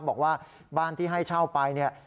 บอกว่าบ้านที่ให้เช่าไปเนี่ย